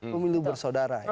pemilu bersaudara ya